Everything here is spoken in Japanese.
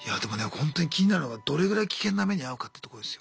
ホントに気になるのがどれぐらい危険な目に遭うかってとこですよ。